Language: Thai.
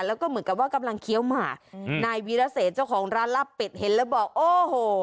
แล้วก็เหมือนกับว่ากำลังเคี้ยวหมาอืมนายวีรเศษเจ้าของร้านลาบเป็ดเห็นแล้วบอกโอ้โห